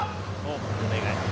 お願い。